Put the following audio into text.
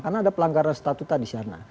karena ada pelanggaran statuta disana